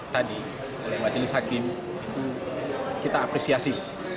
tadi oleh majelis hakim itu kita apresiasi